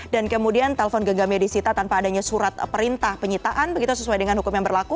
dan kemudian telepon genggamnya disita tanpa adanya surat perintah penyitaan begitu sesuai dengan hukum yang berlaku